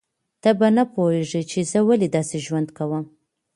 ته به نه پوهیږې چې زه ولې داسې ژوند کوم